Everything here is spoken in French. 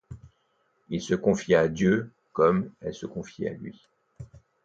Il se confiait à Dieu comme elle se confiait à lui.